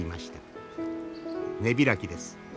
根開きです。